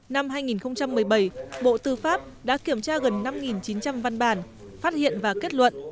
năm hai nghìn một mươi bảy bộ tư pháp đã kiểm tra gần năm chín trăm linh văn bản phát hiện và kết luận